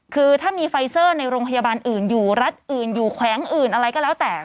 คือถ้ามีไฟเซอร์ในโรงพยาบาลอื่นอยู่รัฐอื่นอยู่แขวงอื่นอะไรก็แล้วแต่